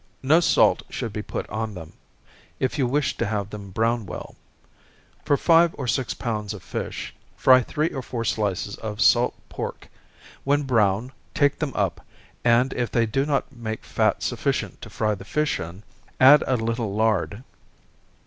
No salt should be put on them, if you wish to have them brown well. For five or six pounds of fish, fry three or four slices of salt pork when brown, take them up, and if they do not make fat sufficient to fry the fish in, add a little lard.